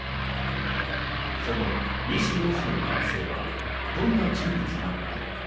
その２４歳の男性はどんな人物なのか？